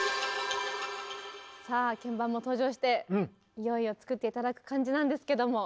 さあ鍵盤も登場していよいよ作って頂く感じなんですけども。